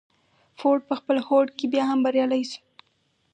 فورډ په خپل هوډ کې بيا هم بريالی شو.